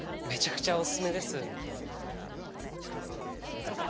めちゃくちゃおすすめです。